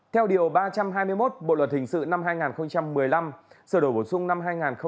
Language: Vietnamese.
theo điều ba trăm hai mươi một bộ luật hình sự năm hai nghìn một mươi năm